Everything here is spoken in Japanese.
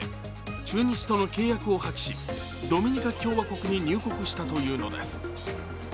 中日との契約を破棄し、ドミニカ共和国に入国したというのです。